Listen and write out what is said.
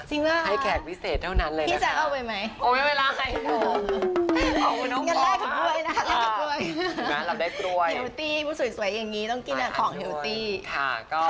มีจายกิเตี้ยวหน้า